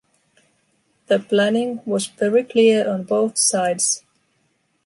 The planning was very clear on both sides.